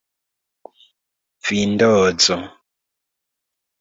vindozo